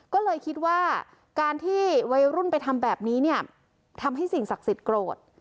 ก็เลยคิดว่าการที่วัยรุ่นไปทำแบบนี้เนี่ยทำให้สิ่งศักดิ์สิทธิ์โกรธ